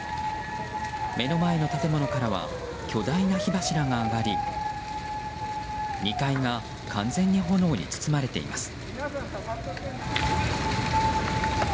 目の前の建物からは巨大な火柱が上がり２階が完全に炎に包まれています。